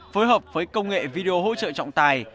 phối hợp với công nghệ video hỗ trợ trọng tài